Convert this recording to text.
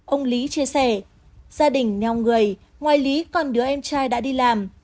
ông lý chia sẻ gia đình neo người ngoài lý còn đứa em trai đã đi làm